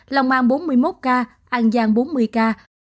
lòng an bốn mươi ca